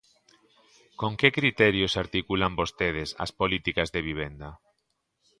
¿Con que criterios articulan vostedes as políticas de vivenda?